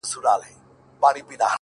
زما په مرگ دي خوشالي زاهدان هيڅ نکوي،